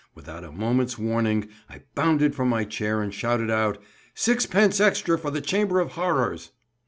Without a moment's warning, I bounded from my chair and shouted out, "Sixpence extra for the chamber of horrors."